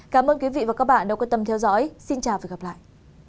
cảm ơn quý vị và các bạn đã quan tâm theo dõi xin chào và hẹn gặp lại